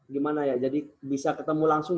gimana ya jadi bisa ketemu langsung